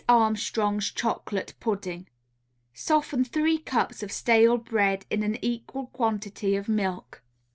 ARMSTRONG'S CHOCOLATE PUDDING Soften three cups of stale bread in an equal quantity of milk.